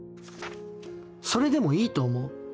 それでもいいと思う。